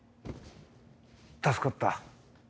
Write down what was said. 助かった。